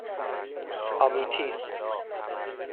آمیتیس